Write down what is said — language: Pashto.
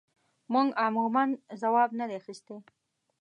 موږ عموماً ځواب نه دی اخیستی.